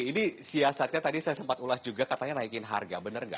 ini siasatnya tadi saya sempat ulas juga katanya naikin harga benar nggak